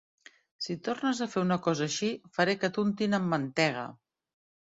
Si tornes a fer una cosa així, faré que t'untin amb mantega!